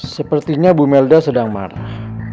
sepertinya bu melda sedang marah